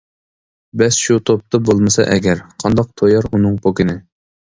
بەس شۇ توپا بولمىسا ئەگەر، قانداق تويار ئۇنىڭ پوكىنى.